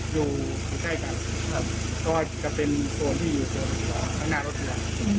อยู่ใกล้กันก็จะเป็นส่วนที่อยู่ข้างหน้ารถทวน